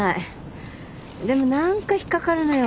でも何か引っ掛かるのよ。